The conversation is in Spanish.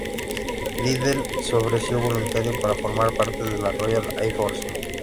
Liddell se ofreció voluntario para formar parte de la Royal Air Force.